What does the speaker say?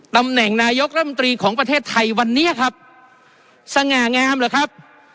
ตำแหน่งนายกรัฐมนตรีของประเทศไทยวันนี้ครับสง่างามเหรอครับ